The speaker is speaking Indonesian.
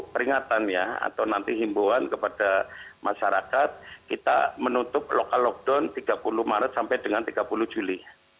peringatannya atau nanti himbuan kepada masyarakat kita menutup lokal lockdown tiga puluh maret sampai dengan tiga puluh juli